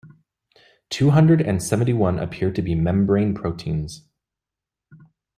Two-hundred and seventy one appear to be membrane proteins.